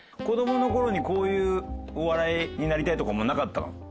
子どもの頃にこういうお笑いになりたいとかもなかったの？